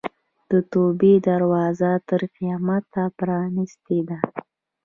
د توبې دروازه تر قیامته پرانستې ده.